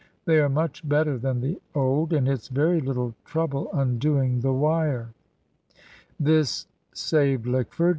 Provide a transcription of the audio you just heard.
They are much better than the old, and it's very little trouble undoing the wire." This saved Lickford.